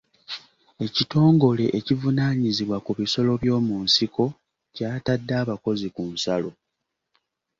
Ekitongole ekivunaanyizibwa ku bisolo by'omu nsiko kyatadde abakozi ku nsalo.